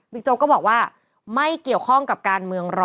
โจ๊กก็บอกว่าไม่เกี่ยวข้องกับการเมือง๑๐๐